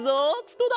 どうだ？